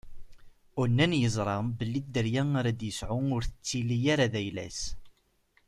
Unan iẓra belli dderya ara d-isɛu ur tettili ara d ayla-s.